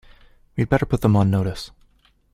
We'd better put them on notice